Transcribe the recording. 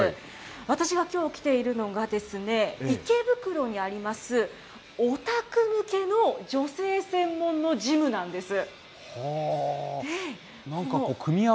私がきょう来ているのが、池袋にあります、オタク向けの女性専門のジムなんです。